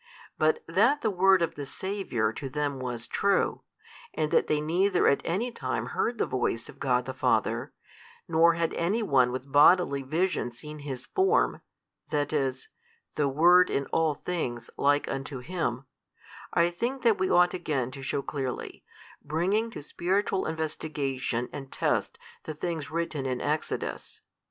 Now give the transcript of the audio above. But that the Word of the Saviour to them was true, and that they neither at any time heard the Voice of God the Father, nor had any one with bodily vision seen His Form, that is, the Word in all things like unto Him, I think that we ought again to shew clearly, bringing to spiritual investigation and test the things written in Exodus.